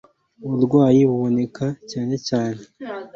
uburwayi buboneka cyane cyane